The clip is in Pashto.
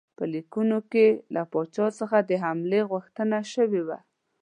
په لیکونو کې له پاچا څخه د حملې غوښتنه شوې وه.